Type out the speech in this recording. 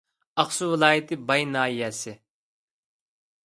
ئاقسۇ ۋىلايىتى باي ناھىيەسى